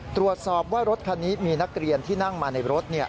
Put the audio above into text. ตรวจสอบว่ารถคันนี้มีนักเรียนที่นั่งมาในรถ